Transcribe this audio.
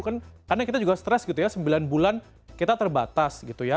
karena kita juga stres gitu ya sembilan bulan kita terbatas gitu ya